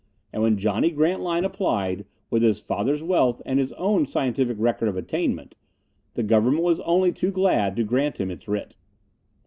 And when Johnny Grantline applied, with his father's wealth and his own scientific record of attainment, the government was only too glad to grant him its writ.